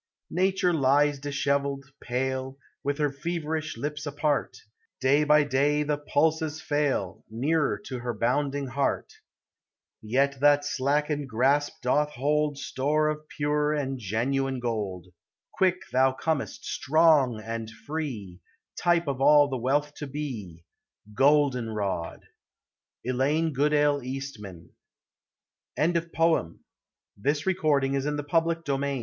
Nature lies dishevelled, pale, With her feverish lips apart, — Day by day the pulses fail, Nearer to her bounding heart; Yet that slackened grasp doth hold Store of pure and genuine gold; Quick thou comest, strong and free, Type of all the wealth to be, — Goldenrod ! ELAINE GOODALE EASTMAN*. VI. ANIMATE NATURE. THE FIRST BLUE BIRD. Jest rain